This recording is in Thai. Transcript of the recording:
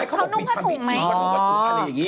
นุ้งผ้าถุงอะไรอย่างนี้